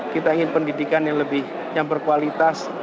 kita ingin pendidikan yang lebih yang berkualitas